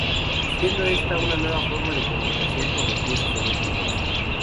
Siendo esta una nueva forma de comunicación con los dioses olímpicos.